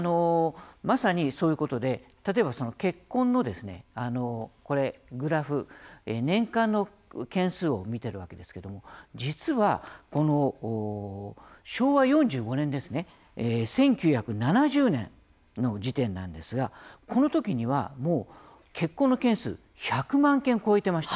まさにそういうことで、例えば結婚のグラフ年間の件数を見ているわけですけれども、実は昭和４５年ですね１９７０年の時点なんですがこのときには、もう結婚の件数１００万件を超えていました。